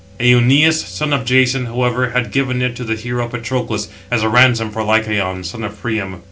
Euneus, son of Jason, however, had given it to the hero Patroclus, as a ransom for Lycaon, son of Priam.